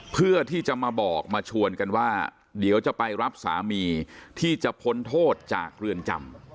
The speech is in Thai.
เพื่อที่จะมาบอกมาชวนกันว่าเดี๋ยวจะไปรับสามีที่จะพ้นโทษจากเรือนจำ